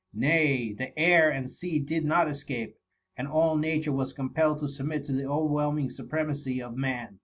Nay, the air and sea did not escape, and all nature was compelled to submit to the overwhelming supremacy of Man.